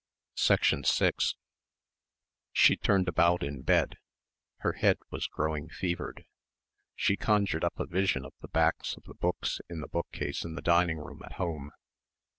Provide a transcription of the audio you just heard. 6 She turned about in bed; her head was growing fevered. She conjured up a vision of the backs of the books in the bookcase in the dining room at home....